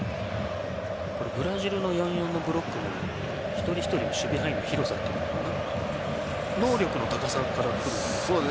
ブラジルの４−４のブロック一人一人の守備範囲の広さが能力の高さからくる。